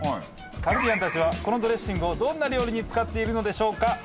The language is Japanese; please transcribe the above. カルディアンたちはこのドレッシングをどんな料理に使っているのでしょうか？